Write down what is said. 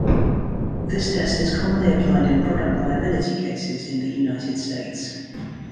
This test is commonly applied in product liability cases in the United States.